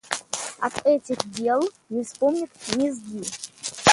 От этих дел не вспомнят ни зги.